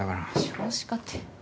少子化って。